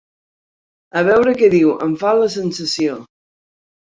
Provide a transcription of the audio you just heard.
A veure què diu, em fa la sensació.